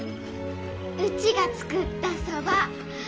うちが作ったそば。